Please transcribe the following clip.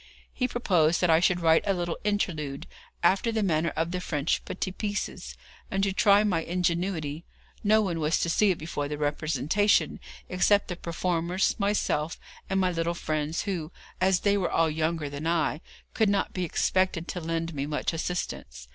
He proposed that I should write a little interlude, after the manner of the French 'Petites Pièces,' and to try my ingenuity, no one was to see it before the representation, except the performers, myself, and my little friends, who, as they were all younger than I, could not be expected to lend me much assistance.